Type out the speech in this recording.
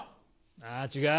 あ違う。